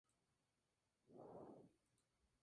Patty es dos minutos menor que Selma.